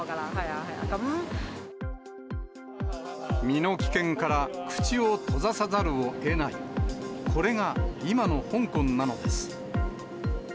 身の危険から、口を閉ざさざるをえない、これが今の香港なのです。